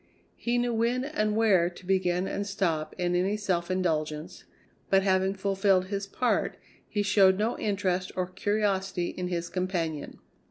He knew when and where to begin and stop in any self indulgence, but having fulfilled his part he showed no interest or curiosity in his companion.